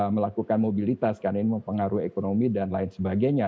melakukan mobilitas karena ini mempengaruhi ekonomi dan lain sebagainya